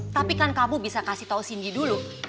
tapi kan kamu bisa kasih tau cindy dulu